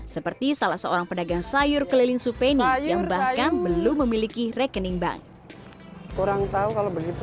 seperti salah seorang pedagang sayur keliling supeni yang bahkan belum memiliki rekening bank